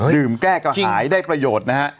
แก้กระหายได้ประโยชน์นะฮะ